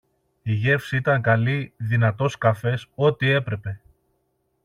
Η γεύση ήταν καλή, δυνατός καφές, ότι έπρεπε